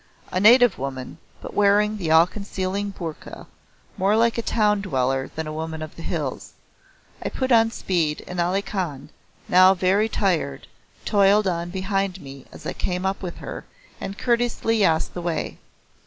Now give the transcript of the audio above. A native woman, but wearing the all concealing boorka, more like a town dweller than a woman of the hills. I put on speed and Ali Khan, now very tired, toiled on behind me as I came up with her and courteously asked the way.